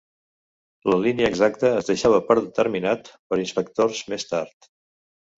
La línia exacta es deixava per determinat per inspectors més tard.